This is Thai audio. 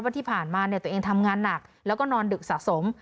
ที่ผ่านมาตัวเองทำงานหนักแล้วก็นอนดึกสะสม